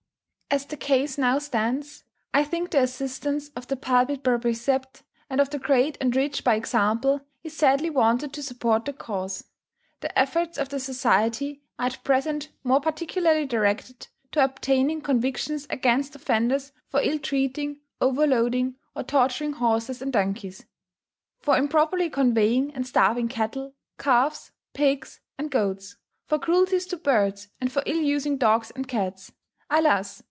As the case now stands, I think the assistance, of the pulpit by precept, and of the great and rich by example, is sadly wanted to support the cause. The efforts of the Society are at present more particularly directed to obtaining convictions against offenders for ill treating, overloading, or torturing horses and donkeys; for improperly conveying and starving cattle, calves, pigs, and goats; for cruelties to birds, and for ill using dogs and cats. Alas!